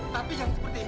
tapi jangan seperti ini